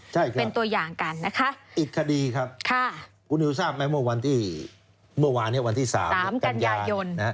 ใช่ครับอีกคดีครับคุณนิวทราบไหมเมื่อวานวันที่๓กัญญาณ